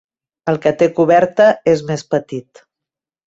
El que té coberta és més petit.